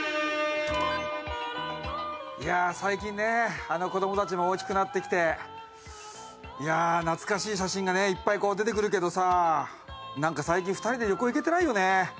いや最近ね子供たちも大きくなってきていやあ懐かしい写真がねいっぱい出てくるけどさなんか最近２人で旅行行けてないよね。